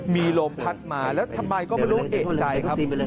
มีลมพัดมาแล้วทำไมก็ไม่รู้เอกใจครับ